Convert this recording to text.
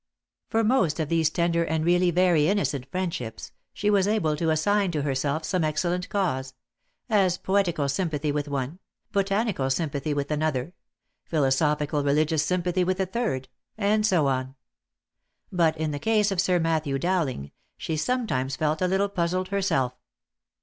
For most of these tender and really very innocent friendships, she was able to assign to herself some excellent cause — as poetical sympathy with one, botanical sympathy with another, philosophical religious sympathy with a third, and so on ; but in the case of Sir Matthew Dowling, she sometimes felt a little puzzled herself.